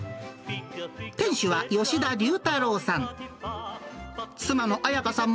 店主は吉田竜太郎さん。